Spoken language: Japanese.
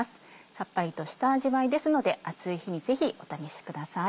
サッパリとした味わいですので暑い日にぜひお試しください。